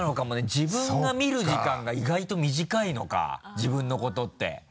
自分が見る時間が意外と短いのか自分のことって。